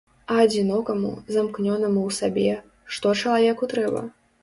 А адзінокаму, замкнёнаму ў сабе, што чалавеку трэба?